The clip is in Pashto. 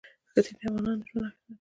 ښتې د افغانانو ژوند اغېزمن کوي.